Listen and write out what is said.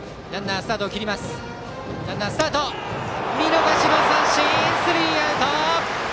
見逃し三振、スリーアウト。